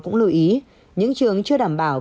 cũng lưu ý những trường chưa đảm bảo